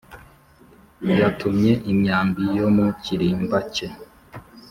Yatumye imyambi yo mu kirimba cye